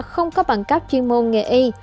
không có bằng cấp chuyên môn nghề y